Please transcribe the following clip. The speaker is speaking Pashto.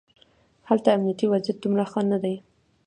هلته امنیتي وضعیت دومره ښه نه دی.